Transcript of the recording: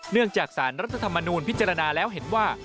จากสารรัฐธรรมนูญพิจารณาแล้วเห็นว่า